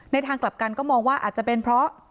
ทางกลับกันก็มองว่าอาจจะเป็นเพราะ